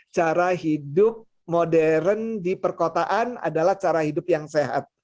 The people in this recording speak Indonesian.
cara hidup modern di perkotaan adalah cara hidup yang sehat